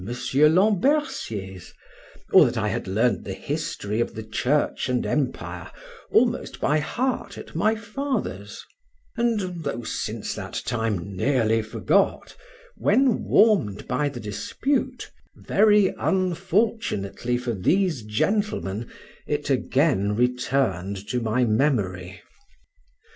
Lambercier's, or that I had learned the history of the church and empire almost by heart at my father's; and though (since that time, nearly forgot, when warmed by the dispute, very unfortunately for these gentlemen), it again returned to my memory.